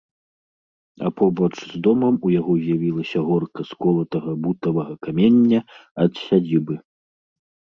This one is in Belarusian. А побач з домам у яго з'явілася горка з колатага бутавага камення ад сядзібы.